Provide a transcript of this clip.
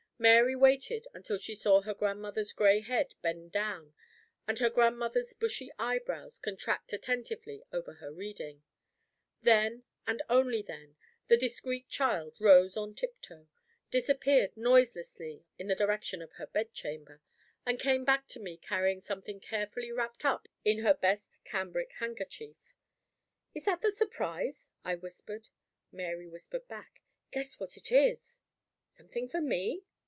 Mary waited until she saw her grandmother's gray head bend down, and her grandmother's bushy eyebrows contract attentively, over her reading. Then, and then only, the discreet child rose on tiptoe, disappeared noiselessly in the direction of her bedchamber, and came back to me carrying something carefully wrapped up in her best cambric handkerchief. "Is that the surprise?" I whispered. Mary whispered back: "Guess what it is?" "Something for me?"